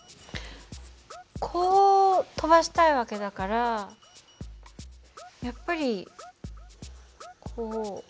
こう飛ばしたい訳だからやっぱりこう。